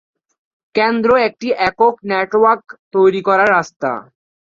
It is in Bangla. কেন্দ্র একটি একক নেটওয়ার্ক তৈরি করার রাস্তা।